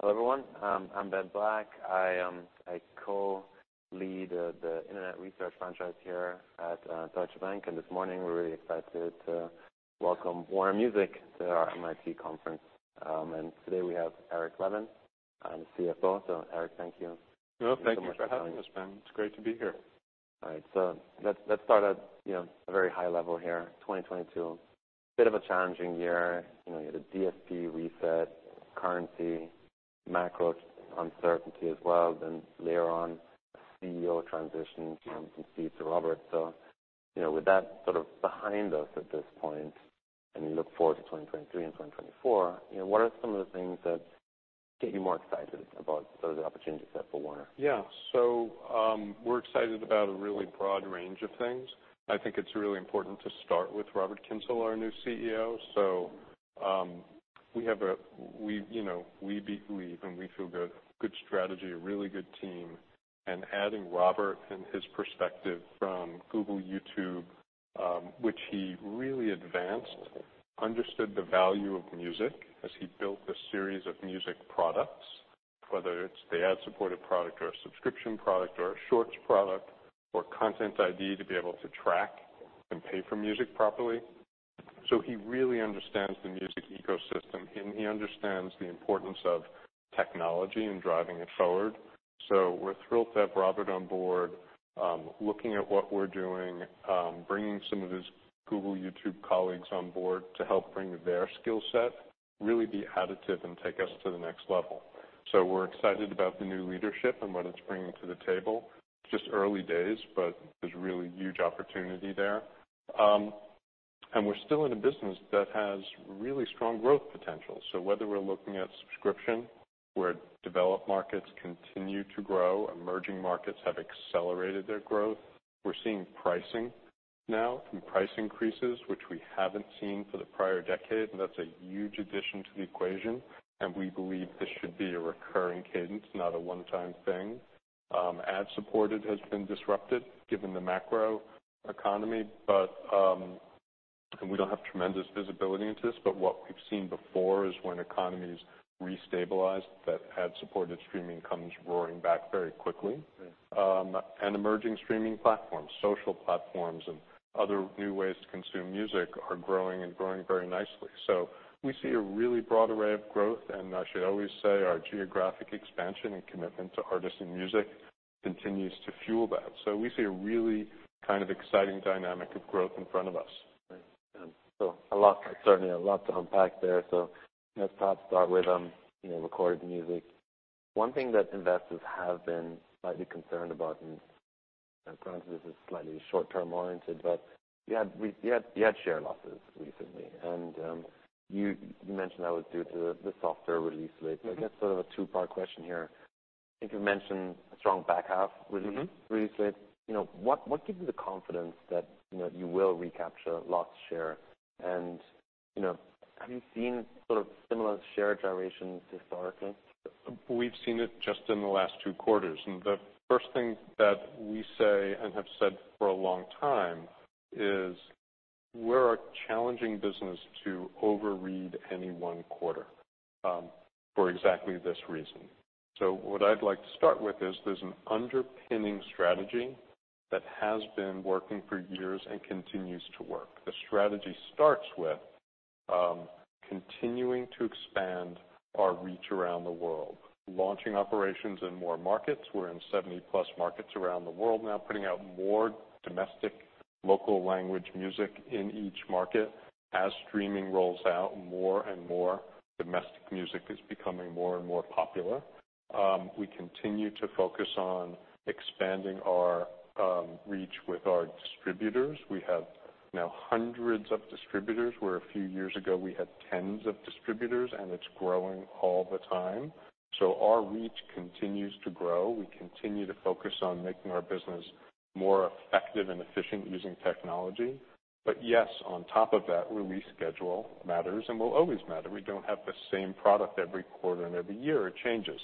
Hello, everyone. I'm Ben Black. I co-lead the internet research franchise here at Deutsche Bank. This morning we're really excited to welcome Warner Music to our MIT conference. Today we have Eric Levin, CFO. Eric, thank you. No, thank you for having us, Ben. Thank you so much for coming. It's great to be here. All right, let's start at, you know, a very high level here. 2022, bit of a challenging year. You know, you had a DSP reset, currency, macro uncertainty as well, then later on, a CEO transition from Steve to Robert. You know, with that sort of behind us at this point, and we look forward to 2023 and 2024, you know, what are some of the things that get you more excited about the opportunities set for Warner? Yeah. We're excited about a really broad range of things. I think it's really important to start with Robert Kyncl, our new CEO. We, you know, we believe, and we feel good. Good strategy, a really good team, and adding Robert and his perspective from Google YouTube, which he really advanced, understood the value of music as he built a series of music products, whether it's the ad-supported product or a subscription product or a shorts product or Content ID to be able to track and pay for music properly. He really understands the music ecosystem, and he understands the importance of technology and driving it forward. We're thrilled to have Robert Kyncl on board, looking at what we're doing, bringing some of his Google YouTube colleagues on board to help bring their skill set really be additive and take us to the next level. We're excited about the new leadership and what it's bringing to the table. Early days, but there's really huge opportunity there. We're still in a business that has really strong growth potential. Whether we're looking at subscription, where developed markets continue to grow, emerging markets have accelerated their growth. We're seeing pricing now and price increases, which we haven't seen for the prior decade, and that's a huge addition to the equation, and we believe this should be a recurring cadence, not a one-time thing. Ad-supported has been disrupted given the macroeconomy, but we don't have tremendous visibility into this, but what we've seen before is when economies restabilize, that ad-supported streaming comes roaring back very quickly. Yeah. Emerging streaming platforms, social platforms, and other new ways to consume music are growing and growing very nicely. We see a really broad array of growth, and I should always say our geographic expansion and commitment to artists and music continues to fuel that. We see a really kind of exciting dynamic of growth in front of us. Right. Certainly a lot to unpack there. Let's start with, you know, recorded music. One thing that investors have been slightly concerned about, and granted this is slightly short-term oriented, but you had share losses recently. You mentioned that was due to the softer release rate. I guess sort of a two-part question here. I think you mentioned a strong back half release rate. You know, what gives you the confidence that, you know, you will recapture lost share? You know, have you seen sort of similar share gyrations historically? We've seen it just in the last 2 quarters. The first thing that we say and have said for a long time is we're a challenging business to overread any 1 quarter, for exactly this reason. What I'd like to start with is there's an underpinning strategy that has been working for years and continues to work. The strategy starts with, continuing to expand our reach around the world, launching operations in more markets. We're in 70-plus markets around the world now, putting out more domestic local language music in each market. As streaming rolls out more and more, domestic music is becoming more and more popular. We continue to focus on expanding our reach with our distributors. We have now hundreds of distributors, where a few years ago we had tens of distributors, and it's growing all the time. Our reach continues to grow. We continue to focus on making our business more effective and efficient using technology. Yes, on top of that, release schedule matters and will always matter. We don't have the same product every quarter and every year. It changes.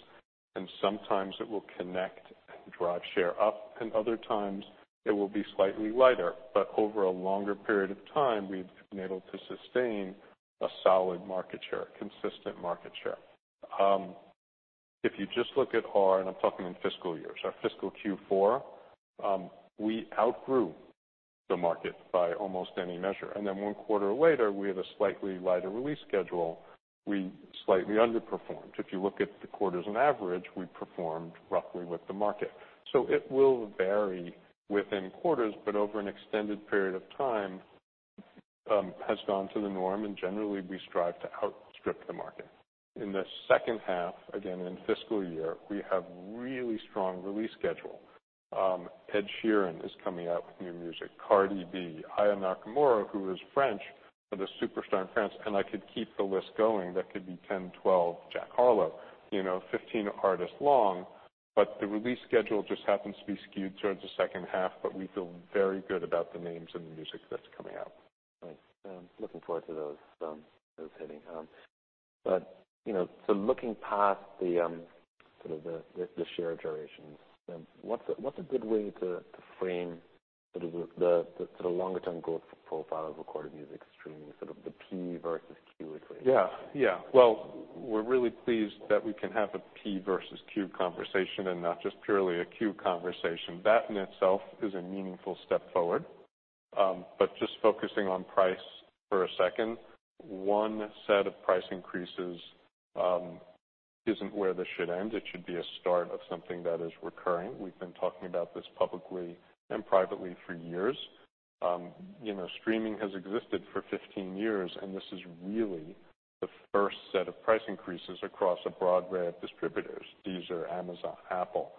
Sometimes it will connect and drive share up, and other times it will be slightly lighter. Over a longer period of time, we've been able to sustain a solid market share, consistent market share. If you just look at our, and I'm talking in fiscal years, our fiscal Q4, we outgrew the market by almost any measure. 1 quarter later, we had a slightly lighter release schedule. We slightly underperformed. If you look at the quarters on average, we performed roughly with the market. It will vary within quarters, but over an extended period of time, has gone to the norm and generally we strive to outstrip the market. In the second half, again in fiscal year, we have really strong release schedule. Ed Sheeran is coming out with new music, Cardi B, Aya Nakamura, who is French, but a superstar in France, and I could keep the list going. That could be 10, 12, Jack Harlow, you know, 15 artists long. The release schedule just happens to be skewed towards the second half, but we feel very good about the names and the music that's coming out. Right. Looking forward to those hitting. you know, so looking past the Sort of the share gyrations then. What's a good way to frame sort of the longer term growth profile of recorded music streaming, sort of the P versus Q equation? Yeah. Yeah. Well, we're really pleased that we can have a P versus Q conversation and not just purely a Q conversation. That in itself is a meaningful step forward. Just focusing on price for a second. One set of price increases isn't where this should end. It should be a start of something that is recurring. We've been talking about this publicly and privately for years. You know, streaming has existed for 15 years, and this is really the first set of price increases across a broad array of distributors. These are Amazon, Apple.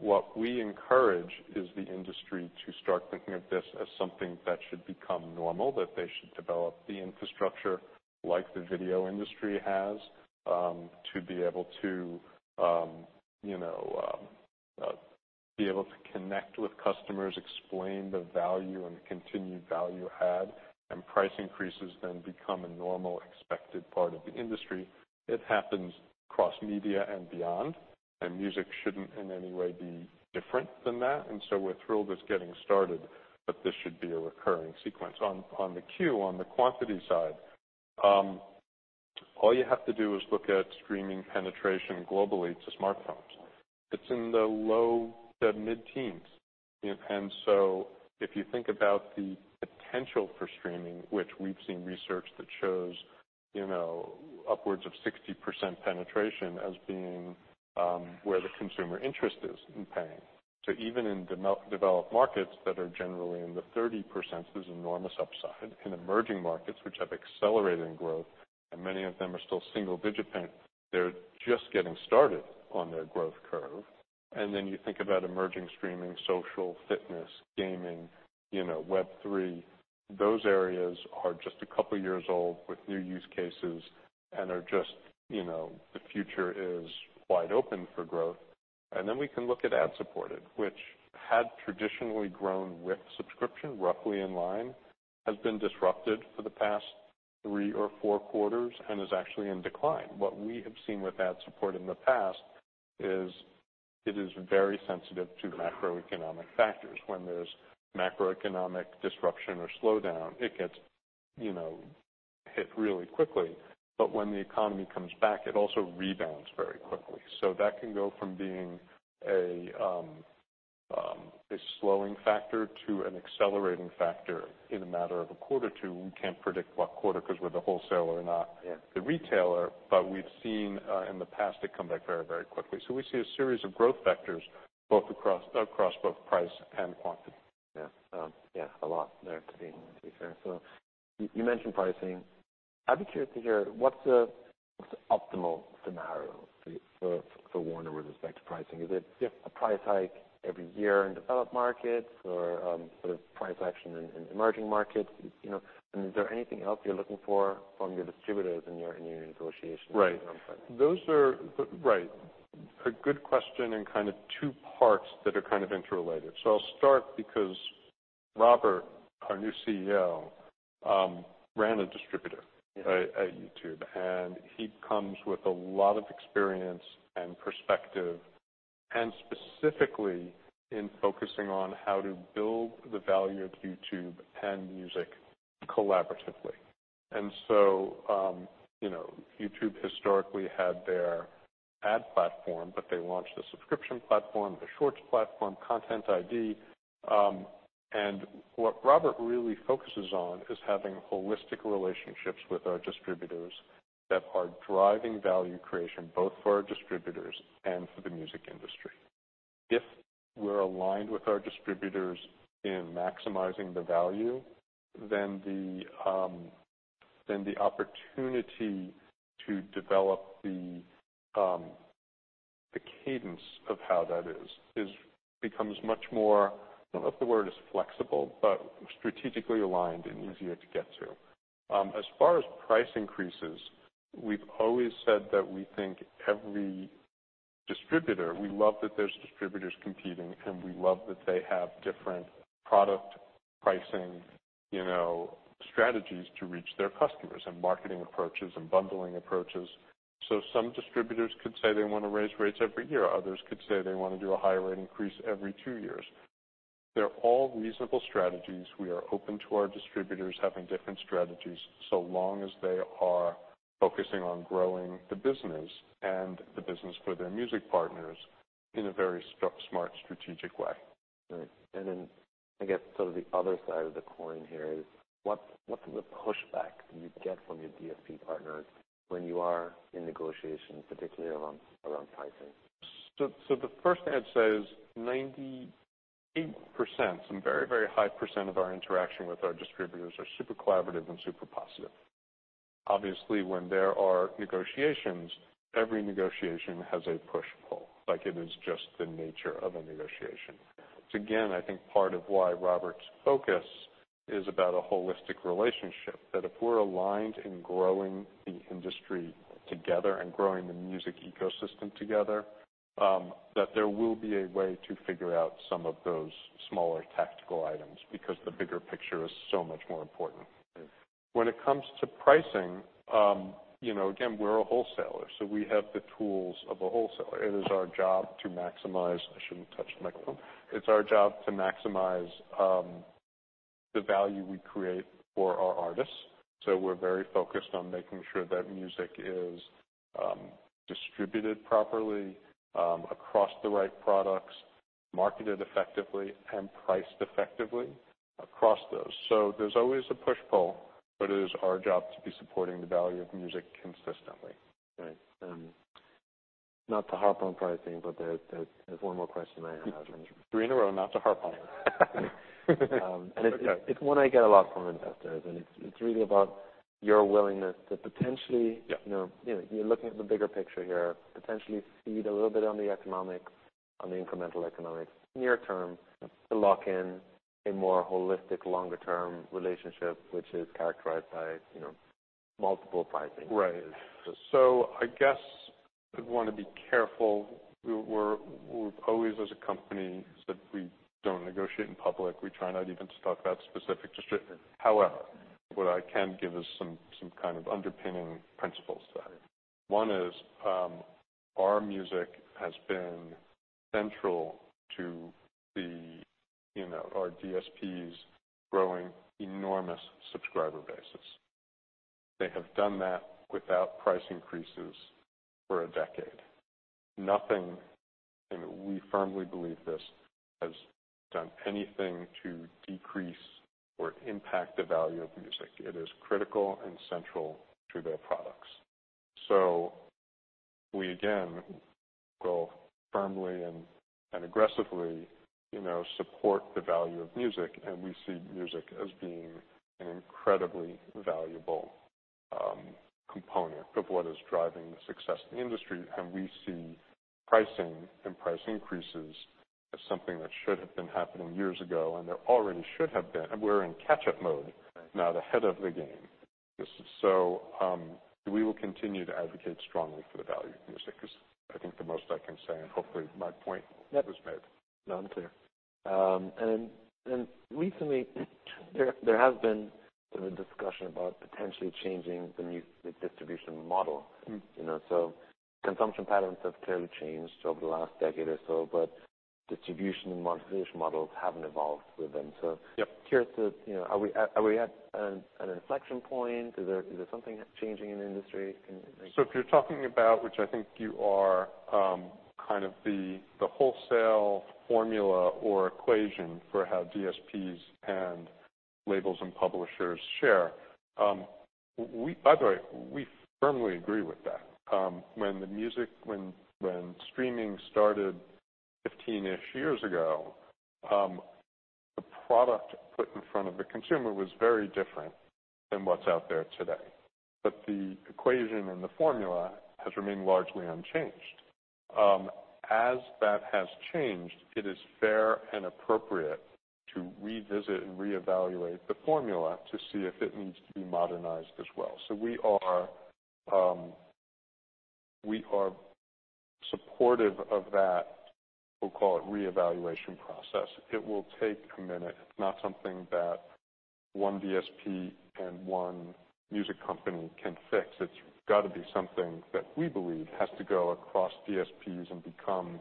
What we encourage is the industry to start thinking of this as something that should become normal, that they should develop the infrastructure like the video industry has, to be able to, you know, be able to connect with customers, explain the value and the continued value add, and price increases then become a normal expected part of the industry. It happens across media and beyond, music shouldn't in any way be different than that. We're thrilled it's getting started, but this should be a recurring sequence. On the quantity side, all you have to do is look at streaming penetration globally to smartphones. It's in the low to mid-teens. If you think about the potential for streaming, which we've seen research that shows, you know, upwards of 60% penetration as being where the consumer interest is in paying. Even in developed markets that are generally in the 30%, there's enormous upside. In emerging markets which have accelerated in growth and many of them are still single-digit pen, they're just getting started on their growth curve. You think about emerging streaming, social, fitness, gaming, you know, Web3. Those areas are just a couple years old with new use cases and are just, you know, the future is wide open for growth. We can look at ad-supported, which had traditionally grown with subscription roughly in line, has been disrupted for the past 3 or 4 quarters and is actually in decline. What we have seen with ad support in the past is it is very sensitive to macroeconomic factors. When there's macroeconomic disruption or slowdown, it gets, you know, hit really quickly. When the economy comes back, it also rebounds very quickly. That can go from being a slowing factor to an accelerating factor in a matter of a quarter or two. We can't predict what quarter 'cause we're the wholesaler. Yeah. The retailer, but we've seen, in the past, it come back very, very quickly. We see a series of growth vectors both across both price and quantity. Yeah. Yeah, a lot there to dig into. You mentioned pricing. I'd be curious to hear what's the optimal scenario for Warner with respect to pricing? Is it- Yeah. -a price hike every year in developed markets or, sort of price action in emerging markets? You know, is there anything else you're looking for from your distributors in your, in your negotiations going forward? Right. A good question in kind of two parts that are kind of interrelated. I'll start because Robert, our new CEO, ran. Yeah. at YouTube. He comes with a lot of experience and perspective, and specifically in focusing on how to build the value of YouTube and music collaboratively. You know, YouTube historically had their ad platform, but they launched a subscription platform, the Shorts platform, Content ID. What Robert really focuses on is having holistic relationships with our distributors that are driving value creation both for our distributors and for the music industry. If we're aligned with our distributors in maximizing the value, then the opportunity to develop the cadence of how that is becomes much more, I don't know if the word is flexible, but strategically aligned and easier to get to. As far as price increases, we've always said that we think every distributor, we love that there's distributors competing, and we love that they have different product pricing, you know, strategies to reach their customers and marketing approaches and bundling approaches. Some distributors could say they wanna raise rates every year. Others could say they wanna do a higher rate increase every 2 years. They're all reasonable strategies. We are open to our distributors having different strategies, so long as they are focusing on growing the business and the business for their music partners in a very smart, strategic way. Right. I guess sort of the other side of the coin here is what's the pushback you get from your DSP partners when you are in negotiations, particularly around pricing? The first thing I'd say is 98%, some very, very high percent of our interaction with our distributors are super collaborative and super positive. Obviously, when there are negotiations, every negotiation has a push/pull. Like, it is just the nature of a negotiation. It's again, I think, part of why Robert's focus is about a holistic relationship, that if we're aligned in growing the industry together and growing the music ecosystem together, that there will be a way to figure out some of those smaller tactical items because the bigger picture is so much more important. Right. When it comes to pricing, you know, again, we're a wholesaler, so we have the tools of a wholesaler. It's our job to maximize, the value we create for our artists, so we're very focused on making sure that music is, distributed properly, across the right products, marketed effectively, and priced effectively across those. There's always a push-pull, but it is our job to be supporting the value of music consistently. Right. Not to harp on pricing, but there's one more question I have. Three in a row not to harp on. it's one I get a lot from investors, and it's really about your willingness to potentially-. Yeah. You know, you're looking at the bigger picture here, potentially cede a little bit on the economics, on the incremental economics near term to lock in a more holistic, longer term relationship, which is characterized by, you know, multiple pricing. I guess I'd want to be careful. We're, we're always as a company said we don't negotiate in public. We try not even to talk about specific distributors. What I can give is some kind of underpinning principles to that. One is, our music has been central to the, you know, our DSPs growing enormous subscriber bases. They have done that without price increases for a decade. Nothing, and we firmly believe this, has done anything to decrease or impact the value of music. It is critical and central to their products. We, again, will firmly and aggressively, you know, support the value of music, and we see music as being an incredibly valuable component of what is driving the success of the industry. We see pricing and price increases as something that should have been happening years ago, and there already should have been. We're in catch-up mode now, the head of the game. We will continue to advocate strongly for the value of music is, I think, the most I can say and hopefully my point was made. No, I'm clear. Recently, there has been a discussion about potentially changing the distribution model. You know, consumption patterns have clearly changed over the last decade or so, distribution and monetization models haven't evolved with them. Yep. curious to, you know, are we at an inflection point? Is there something changing in the industry? If you're talking about, which I think you are, kind of the wholesale formula or equation for how DSPs and labels and publishers share, we, by the way, we firmly agree with that. When the music when streaming started 15-ish years ago, the product put in front of the consumer was very different than what's out there today. The equation and the formula has remained largely unchanged. As that has changed, it is fair and appropriate to revisit and reevaluate the formula to see if it needs to be modernized as well. We are, we are supportive of that, we'll call it reevaluation process. It will take a minute. It's not something that one DSP and one music company can fix. It's got to be something that we believe has to go across DSPs and become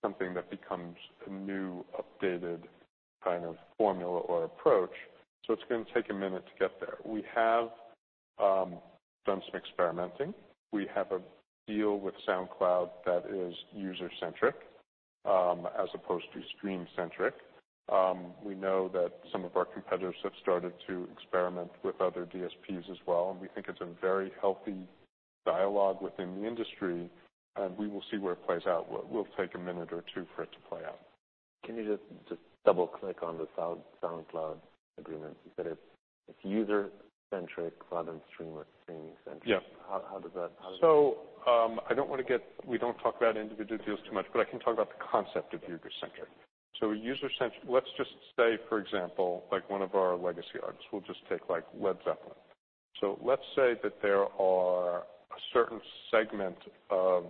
something that becomes a new, updated kind of formula or approach. It's going to take a minute to get there. We have done some experimenting. We have a deal with SoundCloud that is user-centric, as opposed to stream-centric. We know that some of our competitors have started to experiment with other DSPs as well, and we think it's a very healthy dialogue within the industry, and we will see where it plays out. We'll take a minute or two for it to play out. Can you just double-click on the SoundCloud agreement? You said it's user-centric rather than stream-centric. Yeah. How? We don't talk about individual deals too much, but I can talk about the concept of user-centric. User-centric, let's just say, for example, like one of our legacy artists, we'll just take like Led Zeppelin. Let's say that there are a certain segment of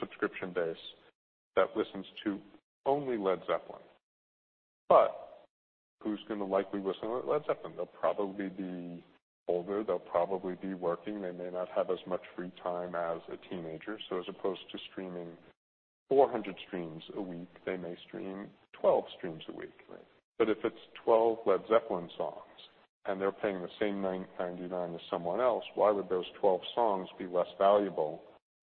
subscription base that listens to only Led Zeppelin. Who's gonna likely listen to Led Zeppelin? They'll probably be older, they'll probably be working. They may not have as much free time as a teenager. As opposed to streaming 400 streams a week, they may stream 12 streams a week. Right. If it's 12 Led Zeppelin songs and they're paying the same $9.99 as someone else, why would those 12 songs be less valuable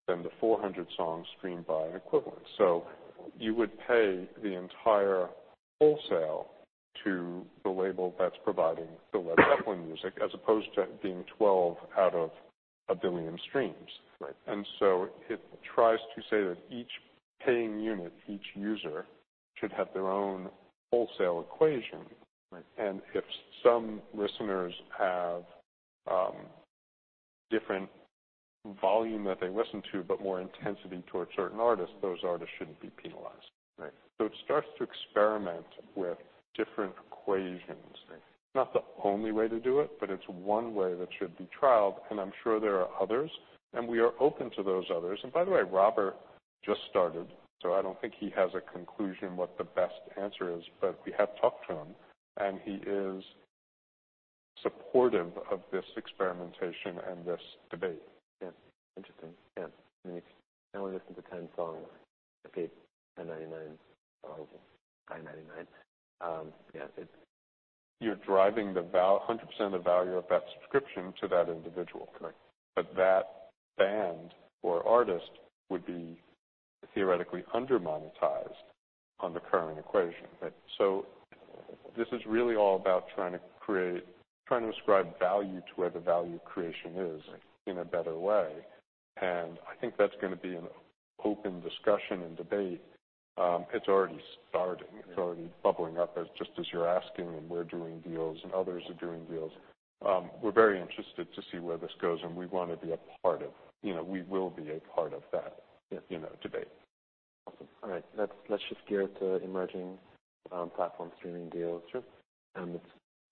than the 400 songs streamed by an equivalent? You would pay the entire wholesale to the label that's providing the Led Zeppelin music, as opposed to it being 12 out of 1 billion streams. Right. It tries to say that each paying unit, each user, should have their own wholesale equation. Right. If some listeners have different volume that they listen to, but more intensity towards certain artists, those artists shouldn't be penalized. Right. It starts to experiment with different equations. Right. It's not the only way to do it, but it's one way that should be trialed, and I'm sure there are others, and we are open to those others. By the way, Robert just started, so I don't think he has a conclusion what the best answer is. We have talked to him, and he is supportive of this experimentation and this debate. Yeah. Interesting. Yeah. I mean, I only listen to 10 songs a day, $10.99 songs, $9.99. You're driving the 100% of the value of that subscription to that individual. Correct. That band or artist would be theoretically undermonetized on the current equation. Right. This is really all about trying to ascribe value to where the value creation is- Right -in a better way. I think that's gonna be an open discussion and debate. It's already starting. It's already bubbling up just as you're asking, and we're doing deals, and others are doing deals. We're very interested to see where this goes, and we wanna be a part of. You know, we will be a part of that, you know, debate. Awesome. All right. Let's just gear to emerging platform streaming deals. Sure. It's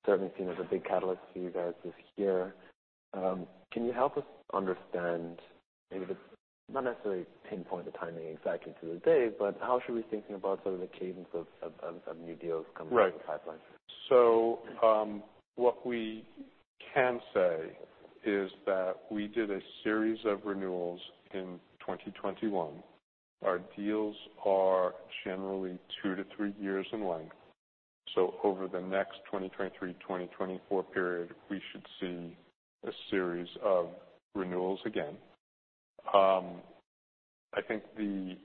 certainly seen as a big catalyst for you guys this year. Can you help us understand Not necessarily pinpoint the timing exactly to the day, but how should we be thinking about sort of the cadence of new deals coming? Right through the pipeline? What we can say is that we did a series of renewals in 2021. Our deals are generally 2-3 years in length. Over the next 2023, 2024 period, we should see a series of renewals again. I think the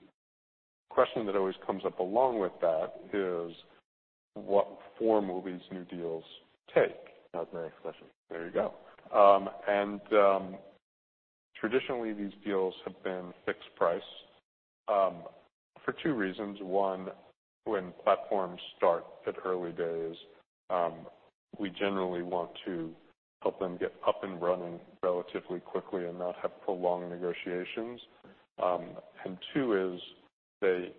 question that always comes up along with that is what form will these new deals take? That was my next question. There you go. Traditionally these deals have been fixed price, for two reasons. One, when platforms start at early days, we generally want to help them get up and running relatively quickly and not have prolonged negotiations. Right. 2 is they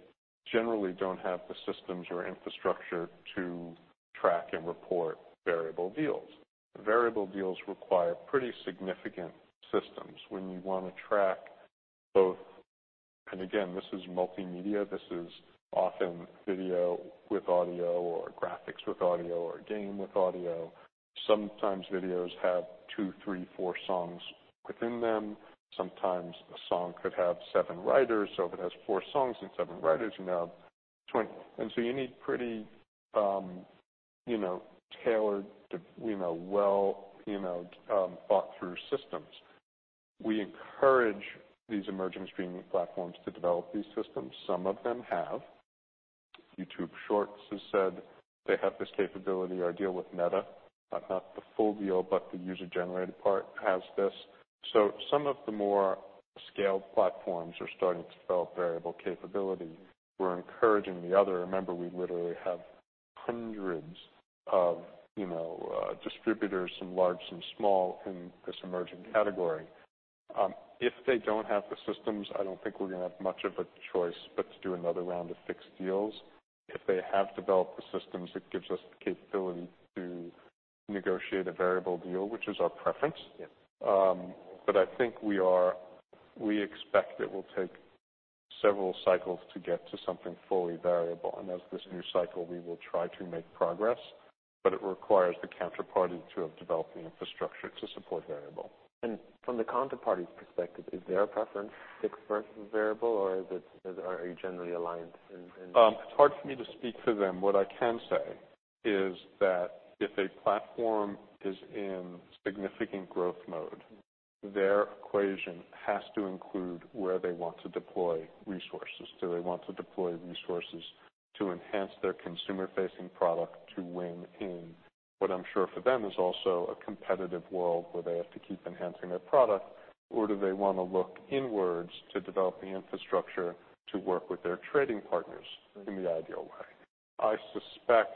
generally don't have the systems or infrastructure to track and report variable deals. Variable deals require pretty significant systems when you wanna track both. Again, this is multimedia. This is often video with audio or graphics with audio or a game with audio. Sometimes videos have 2, 3, 4 songs within them. Sometimes a song could have 7 writers. If it has 4 songs and 7 writers, you now have 20. You need pretty, you know, tailored to, you know, well, you know, thought through systems. We encourage these emerging streaming platforms to develop these systems. Some of them have. YouTube Shorts has said they have this capability. Our deal with Meta, not the full deal, but the user-generated part has this. Some of the more scaled platforms are starting to develop variable capability. We're encouraging the other. Remember, we literally have hundreds of, you know, distributors, some large, some small, in this emerging category. If they don't have the systems, I don't think we're gonna have much of a choice but to do another round of fixed deals. If they have developed the systems, it gives us the capability to negotiate a variable deal, which is our preference. Yeah. I think we expect it will take several cycles to get to something fully variable. As this new cycle, we will try to make progress, but it requires the counterparty to have developed the infrastructure to support variable. From the counterparty's perspective, is their preference fixed versus variable, or are you generally aligned? It's hard for me to speak for them. What I can say is that if a platform is in significant growth mode, their equation has to include where they want to deploy resources. Do they want to deploy resources to enhance their consumer-facing product to win in what I'm sure for them is also a competitive world where they have to keep enhancing their product? Do they wanna look inwards to develop the infrastructure to work with their trading partners? Right -in the ideal way? I suspect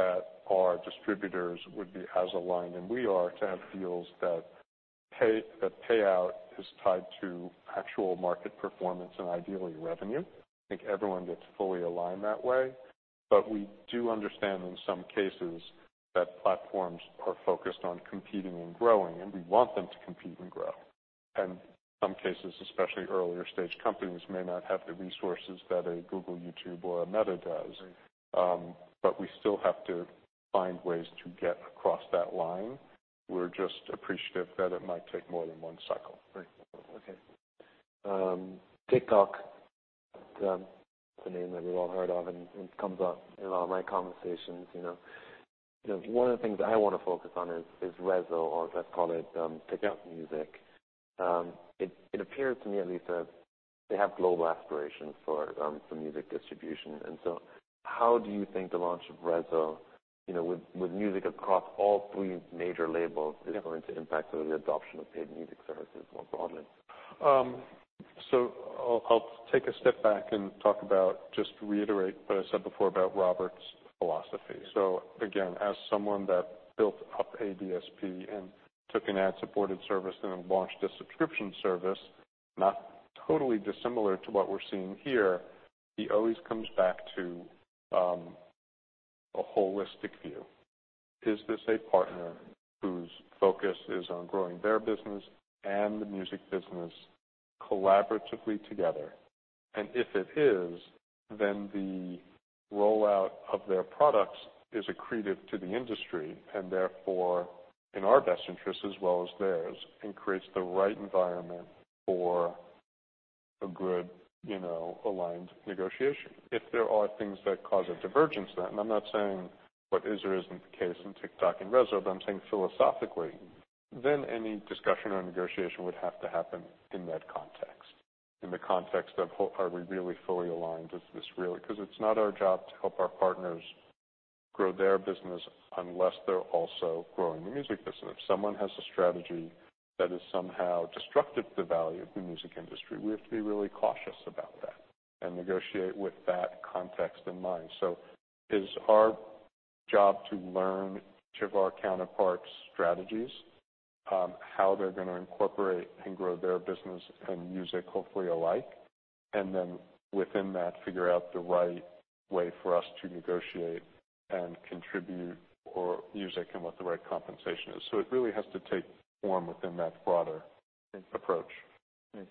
that our distributors would be as aligned than we are to have deals that pay, that payout is tied to actual market performance and ideally revenue. I think everyone gets fully aligned that way. We do understand in some cases that platforms are focused on competing and growing, and we want them to compete and grow. Some cases, especially earlier stage companies, may not have the resources that a Google, YouTube, or a Meta does. Right. We still have to find ways to get across that line. We're just appreciative that it might take more than one cycle. Right. Okay. TikTok, it's a name that we've all heard of and comes up in a lot of my conversations, you know. You know, one of the things I wanna focus on is Resso, or let's call it... Yeah TikTok Music. It appears to me at least that they have global aspirations for music distribution. How do you think the launch of Resso, you know, with music across all three major labels? Yeah -is going to impact the adoption of paid music services more broadly? I'll take a step back and talk about, just to reiterate what I said before about Robert's philosophy. Again, as someone that built up a DSP and took an ad-supported service and then launched a subscription service, not totally dissimilar to what we're seeing here, he always comes back to a holistic view. Is this a partner whose focus is on growing their business and the music business collaboratively together? If it is, the rollout of their products is accretive to the industry and therefore in our best interest as well as theirs, and creates the right environment for a good, you know, aligned negotiation. If there are things that cause a divergence then, I'm not saying what is or isn't the case in TikTok and Resso, but I'm saying philosophically, then any discussion or negotiation would have to happen in that context, in the context of who are we really fully aligned, is this really... It's not our job to help our partners grow their business unless they're also growing the music business. If someone has a strategy that is somehow destructive to the value of the music industry, we have to be really cautious about that and negotiate with that context in mind. It's our job to learn each of our counterparts strategies, how they're gonna incorporate and grow their business and music hopefully alike, and then within that, figure out the right way for us to negotiate and contribute for music and what the right compensation is. It really has to take form within that broader approach. Right.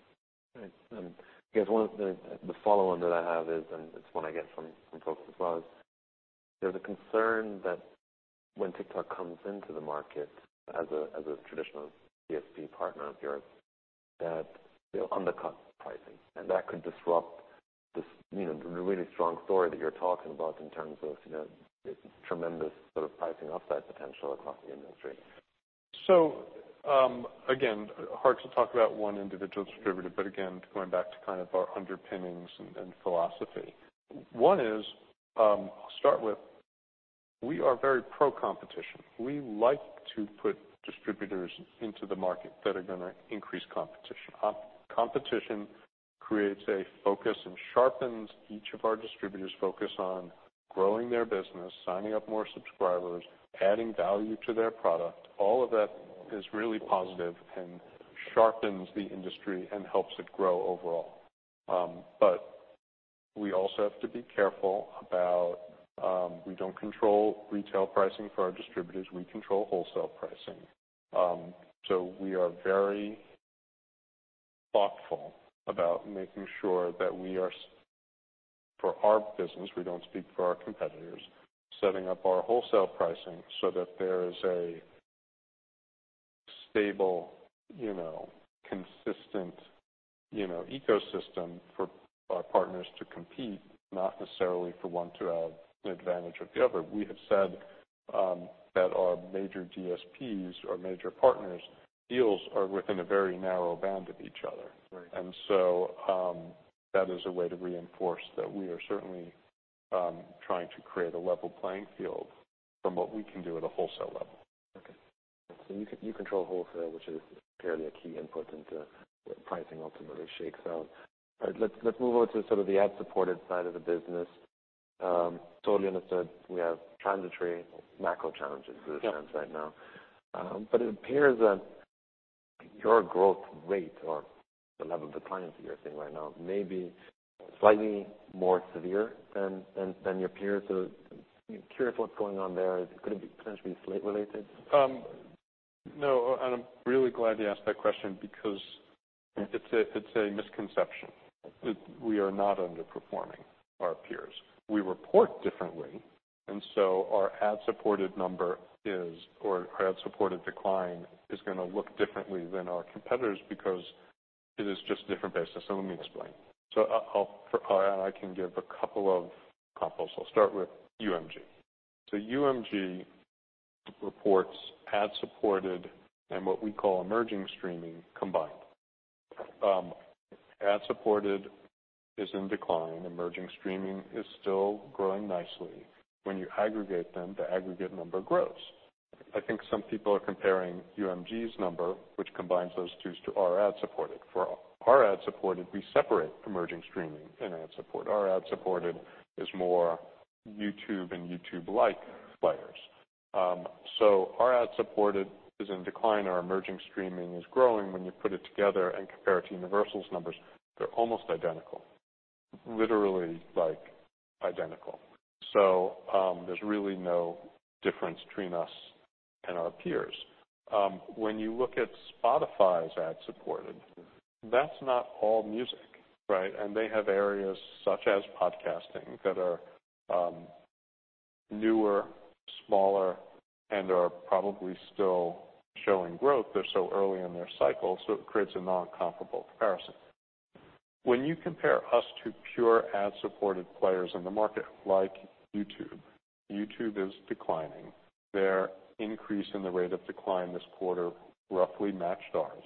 Right. I guess one of the follow on that I have is, it's one I get from folks as well, is there's a concern that when TikTok comes into the market as a traditional DSP partner of yours, that they'll undercut pricing and that could disrupt this, you know, the really strong story that you're talking about in terms of, you know, tremendous sort of pricing upside potential across the industry. Again, hard to talk about one individual distributor, but again, going back to kind of our underpinnings and philosophy. One is, I'll start with, we are very pro-competition. We like to put distributors into the market that are gonna increase competition. Competition creates a focus and sharpens each of our distributors focus on growing their business, signing up more subscribers, adding value to their product. All of that is really positive and sharpens the industry and helps it grow overall. We also have to be careful about, we don't control retail pricing for our distributors, we control wholesale pricing. We are very thoughtful about making sure that we are for our business, we don't speak for our competitors, setting up our wholesale pricing so that there is a stable, you know, consistent, you know, ecosystem for our partners to compete, not necessarily for one to have an advantage of the other. We have said that our major DSPs, our major partners deals are within a very narrow band of each other. Right. That is a way to reinforce that we are certainly trying to create a level playing field from what we can do at a wholesale level. You control wholesale, which is clearly a key input into what pricing ultimately shakes out. All right. Let's move on to sort of the ad-supported side of the business. Totally understood we have transitory macro challenges- Yeah. -to a sense right now. It appears that your growth rate or the level of decline that you're seeing right now may be slightly more severe than your peers. I'm curious what's going on there. Could it be potentially slate related? No. I'm really glad you asked that question because- Yeah. It's a misconception. We are not underperforming our peers. We report differently, our ad-supported number is, or our ad-supported decline is gonna look differently than our competitors because it is just different basis. Let me explain. I can give a couple of comps. I'll start with UMG. UMG reports ad-supported and what we call emerging streaming combined. Ad-supported is in decline. Emerging streaming is still growing nicely. When you aggregate them, the aggregate number grows. I think some people are comparing UMG's number, which combines those two, to our ad-supported. For our ad-supported, we separate emerging streaming and ad support. Our ad-supported is more YouTube and YouTube-like players. Our ad-supported is in decline. Our emerging streaming is growing. When you put it together and compare it to Universal's numbers, they're almost identical. Literally, like, identical. There's really no difference between us and our peers. When you look at Spotify's ad-supported, that's not all music, right? They have areas such as podcasting that are newer, smaller, and are probably still showing growth. They're so early in their cycle, so it creates a non-comparable comparison. When you compare us to pure ad-supported players in the market like YouTube is declining. Their increase in the rate of decline this quarter roughly matched ours.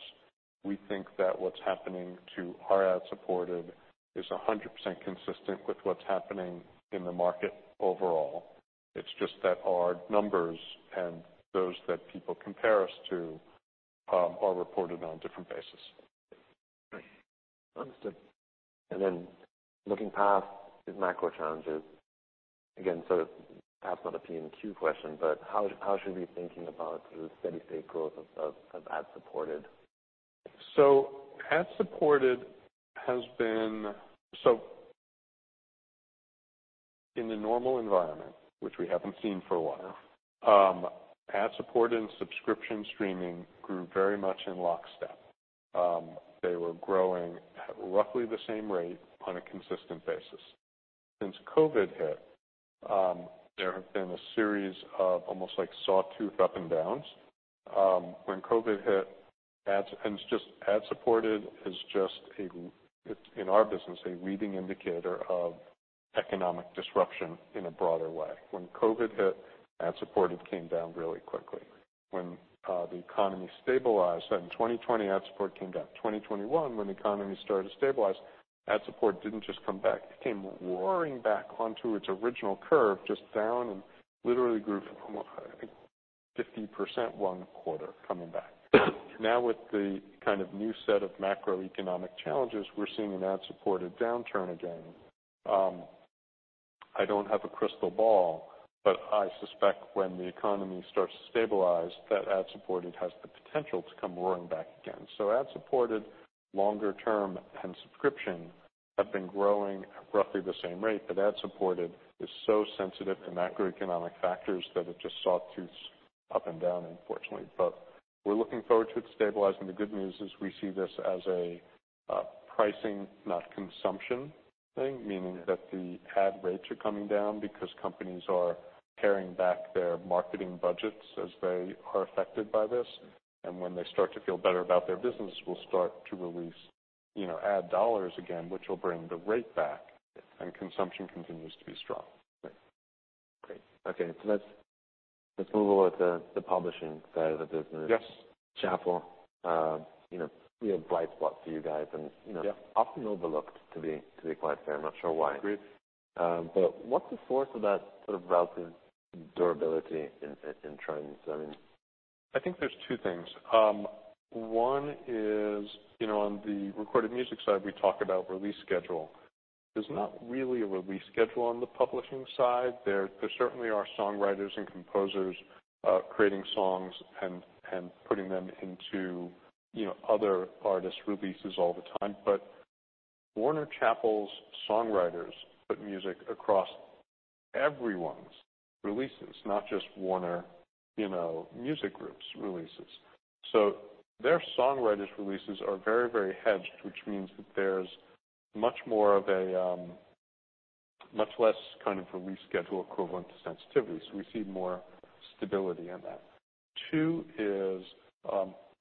We think that what's happening to our ad-supported is 100% consistent with what's happening in the market overall. It's just that our numbers and those that people compare us to are reported on different basis. Right. Understood. Then looking past the macro challenges, again, sort of perhaps not a PMQ question, but how should we be thinking about sort of steady state growth of ad-supported? Ad-supported in the normal environment, which we haven't seen for a while, ad-supported and subscription streaming grew very much in lockstep. They were growing at roughly the same rate on a consistent basis. Since COVID hit, there have been a series of almost like sawtooth up and downs. When COVID hit ad-supported is just a, it's in our business, a leading indicator of economic disruption in a broader way. When COVID hit, ad-supported came down really quickly. When the economy stabilized in 2020, ad support came back. 2021, when the economy started to stabilize, ad support didn't just come back, it came roaring back onto its original curve, just down and literally grew from almost, I think, 50% 1 quarter coming back. Now, with the kind of new set of macroeconomic challenges, we're seeing an ad-supported downturn again. I don't have a crystal ball. I suspect when the economy starts to stabilize, that ad-supported has the potential to come roaring back again. Ad-supported, longer term, and subscription have been growing at roughly the same rate, but ad-supported is so sensitive to macroeconomic factors that it just sawtooth up and down, unfortunately. We're looking forward to it stabilizing. The good news is we see this as a pricing, not consumption thing, meaning that the ad rates are coming down because companies are paring back their marketing budgets as they are affected by this. When they start to feel better about their business, we'll start to release, you know, ad dollars again, which will bring the rate back, and consumption continues to be strong. Great. Okay, let's move over to the publishing side of the business. Yes. Chappell, you know, a real bright spot for you guys. Yeah. You know, often overlooked, to be quite fair, I'm not sure why. Agreed. What's the source of that sort of relative durability in trends? I mean... I think there's two things. One is, on the recorded music side, we talk about release schedule. There's not really a release schedule on the publishing side. There certainly are songwriters and composers, creating songs and putting them into other artist releases all the time. Warner Chappell's songwriters put music across everyone's releases, not just Warner Music Group's releases. Their songwriters' releases are very hedged, which means that there's much more of a, much less kind of release schedule equivalent to sensitivity, we see more stability in that. Two is,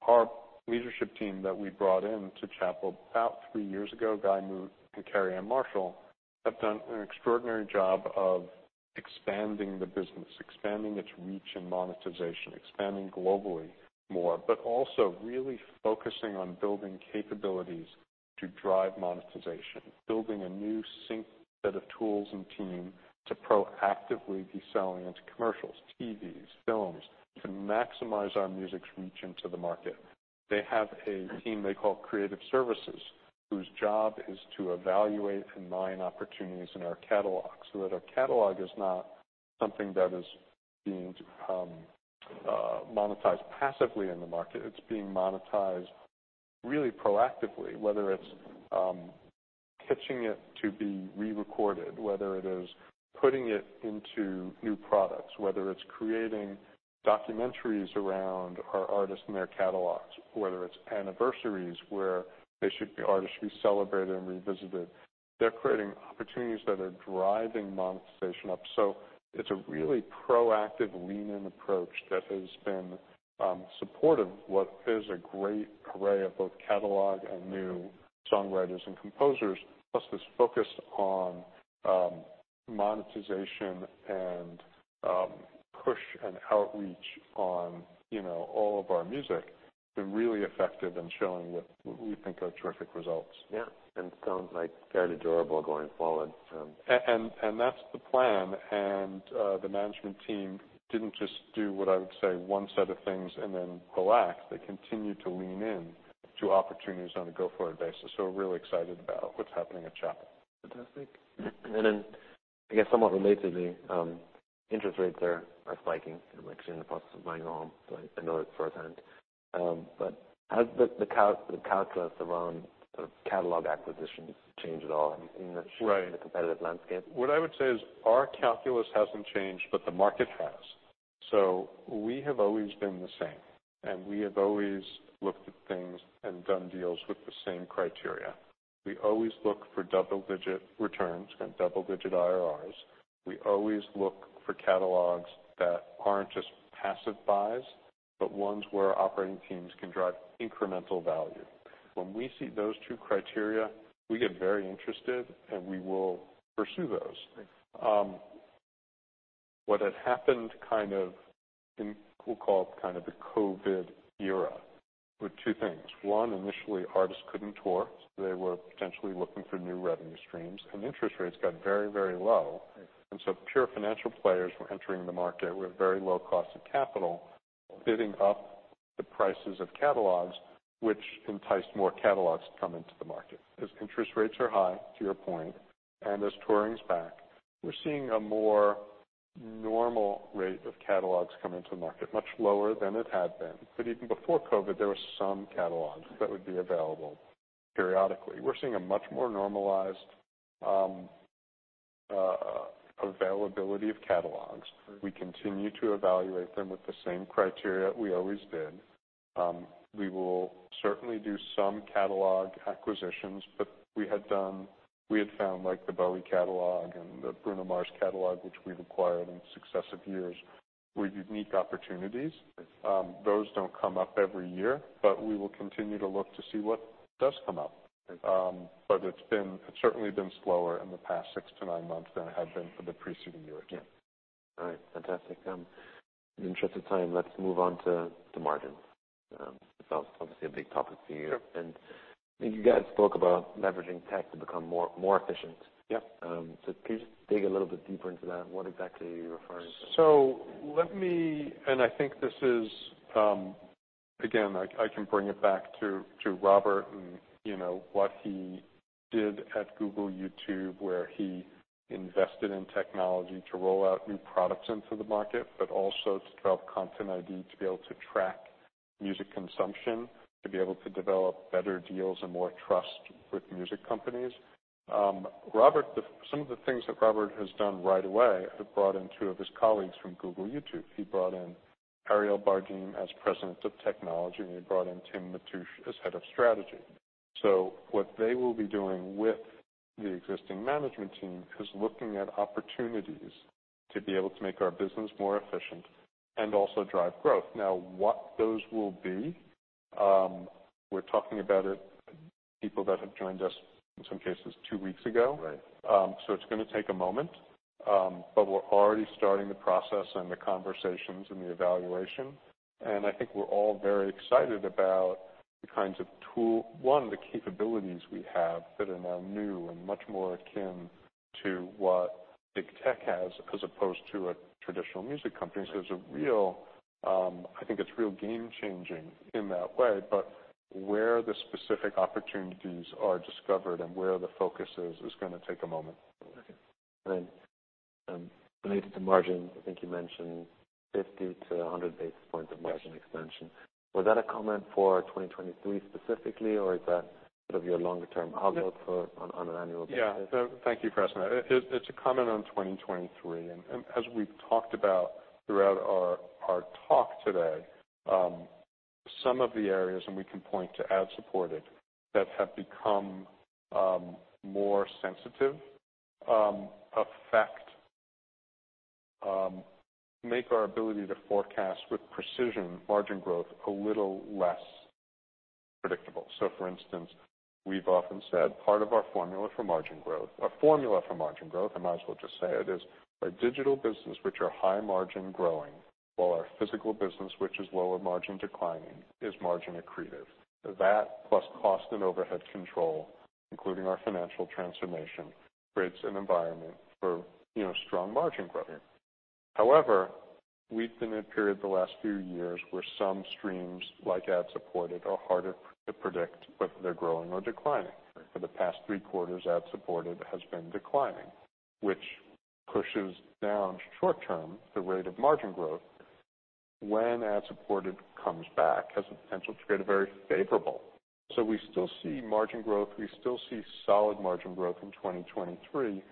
our leadership team that we brought in to Chappell about three years ago, Guy Moot and Carianne Marshall, have done an extraordinary job of expanding the business, expanding its reach and monetization, expanding globally more, but also really focusing on building capabilities to drive monetization, building a new sync set of tools and team to proactively be selling into commercials, TVs, films, to maximize our music's reach into the market. They have a team they call Creative Services, whose job is to evaluate and mine opportunities in our catalog so that our catalog is not something that is being monetized passively in the market. It's being monetized really proactively, whether it's pitching it to be re-recorded, whether it is putting it into new products, whether it's creating documentaries around our artists and their catalogs, whether it's anniversaries, where artists should be celebrated and revisited. They're creating opportunities that are driving monetization up. It's a really proactive lean-in approach that has been supportive of what is a great array of both catalog and new songwriters and composers, plus this focus on monetization and push and outreach on, you know, all of our music. Been really effective in showing what we think are terrific results. Yeah. Sounds like fairly durable going forward. That's the plan. The management team didn't just do what I would say one set of things and then relax. They continued to lean in to opportunities on a go-forward basis. We're really excited about what's happening at Chappell. Fantastic. I guess somewhat relatedly, interest rates are spiking. I'm actually in the process of buying a home, so I know it firsthand. Has the calculus around the catalog acquisitions changed at all? Have you seen a shift- Right. in the competitive landscape? What I would say is our calculus hasn't changed, but the market has. We have always been the same, and we have always looked at things and done deals with the same criteria. We always look for double-digit returns and double-digit IRRs. We always look for catalogs that aren't just passive buys, but ones where our operating teams can drive incremental value. When we see those two criteria, we get very interested, and we will pursue those. Great. What had happened kind of in, we'll call it kind of the COVID era, were two things. One, initially, artists couldn't tour, so they were potentially looking for new revenue streams, and interest rates got very, very low. Right. Pure financial players were entering the market with very low cost of capital, bidding up the prices of catalogs, which enticed more catalogs to come into the market. As interest rates are high, to your point, and as touring's back, we're seeing a more normal rate of catalogs coming to market, much lower than it had been. Even before COVID, there were some catalogs that would be available periodically. We're seeing a much more normalized availability of catalogs. We continue to evaluate them with the same criteria we always did. We will certainly do some catalog acquisitions, but we had found, like, the Bowie catalog and the Bruno Mars catalog, which we've acquired in successive years, were unique opportunities. Those don't come up every year, but we will continue to look to see what does come up. It's certainly been slower in the past six to nine months than it had been for the preceding years. Yeah. All right. Fantastic. In the interest of time, let's move on to margins. It's obviously a big topic for you. Yep. I think you guys spoke about leveraging tech to become more efficient. Yep. Can you just dig a little bit deeper into that? What exactly are you referring to? I think this is again, I can bring it back to Robert and, you know, what he did at Google YouTube, where he invested in technology to roll out new products into the market, but also to develop Content ID to be able to track music consumption, to be able to develop better deals and more trust with music companies. Robert, some of the things that Robert has done right away, have brought in two of his colleagues from Google YouTube. He brought in Ariel Bardin as President of Technology, and he brought in Tim Matusch as Head of Strategy. What they will be doing with the existing management team is looking at opportunities to be able to make our business more efficient and also drive growth. What those will be, we're talking about it, people that have joined us, in some cases, two weeks ago. Right. It's gonna take a moment, but we're already starting the process and the conversations and the evaluation, and I think we're all very excited about the kinds of one, the capabilities we have that are now new and much more akin to what big tech has as opposed to a traditional music company. There's a real, I think it's real game-changing in that way. Where the specific opportunities are discovered and where the focus is gonna take a moment. Okay. Then, related to margin, I think you mentioned 50 to 100 basis points of margin expansion. Was that a comment for 2023 specifically, or is that sort of your longer term outlook on an annual basis? Thank you for asking that. It's a comment on 2023. As we've talked about throughout our talk today, some of the areas and we can point to ad-supported that have become more sensitive, affect, make our ability to forecast with precision margin growth a little less predictable. For instance, we've often said part of our formula for margin growth, I might as well just say it, is our digital business, which are high margin growing, while our physical business, which is lower margin declining, is margin accretive. That plus cost and overhead control, including our financial transformation, creates an environment for, you know, strong margin growth. We've been in a period the last few years where some streams like ad-supported are harder to predict whether they're growing or declining. For the past three quarters, ad-supported has been declining, which pushes down short-term the rate of margin growth when ad-supported comes back, has the potential to create a very favorable. We still see margin growth. We still see solid margin growth in 2023,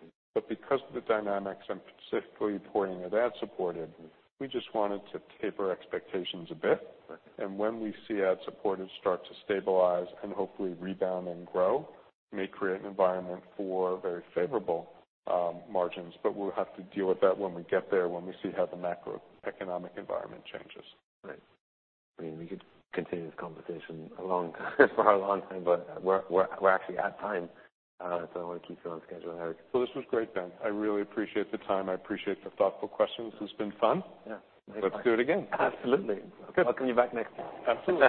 because of the dynamics I'm specifically pointing at ad-supported, we just wanted to taper expectations a bit. Right. When we see ad-supported start to stabilize and hopefully rebound and grow, may create an environment for very favorable margins, but we'll have to deal with that when we get there, when we see how the macroeconomic environment changes. Right. I mean, we could continue this conversation for a long time, but we're actually at time, so I wanna keep you on schedule, Eric. Well, this was great, Ben. I really appreciate the time. I appreciate the thoughtful questions. It's been fun. Yeah. Let's do it again. Absolutely. Good. Welcome you back next time. Absolutely.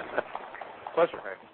Pleasure.